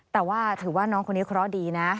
แต่ว่าถือว่าน้องคนนี้เคราะห์ดีนะ